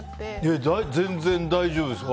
全然大丈夫です。